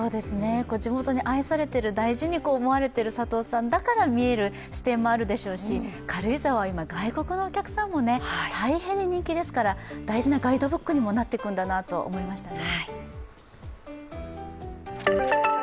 地元に愛されている、大事に思われている佐藤さんだからこそ見える視点もあるでしょうし、軽井沢は今、外国のお客さんにも大変に人気ですから、大事なガイドブックにもなっていくんだなと思いましたね。